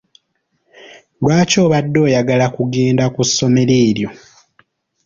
Lwaki obadde oyagala kugenda ku ssomero eryo?